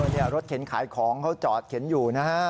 นี่รถเข็นขายของเขาจอดเข็นอยู่นะฮะ